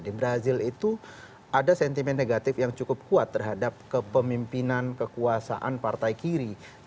di brazil itu ada sentimen negatif yang cukup kuat terhadap kepemimpinan kekuasaan partai kiri